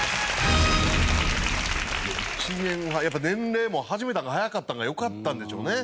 １年やっぱ年齢も始めたんが早かったのがよかったんでしょうね。